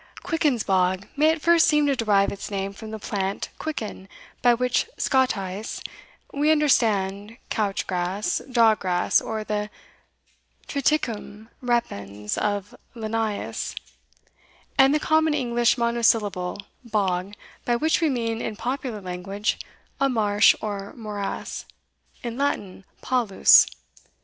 "Quickens bog may at first seem to derive its name from the plant Quicken, by which, Scottice, we understand couch grass, dog grass, or the Triticum repens of Linnaeus, and the common English monosyllable Bog, by which we mean, in popular language, a marsh or morass in Latin, Palus.